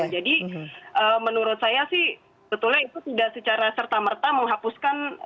jadi menurut saya sih betulnya itu tidak secara serta merta menghapuskan